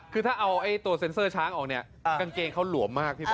คือถ้าเอาตัวเซ็นเซอร์ช้างออกเนี่ยกางเกงเขาหลวมมากพี่บุ๊